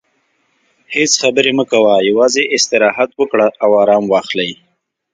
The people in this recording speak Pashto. هیڅ خبرې مه کوه، یوازې استراحت وکړه او ارام واخلې.